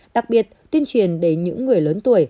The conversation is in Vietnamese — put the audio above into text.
đặc biệt tuyên truyền để những người lớn tuổi